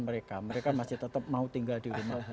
mereka mereka masih tetap mau tinggal di rumah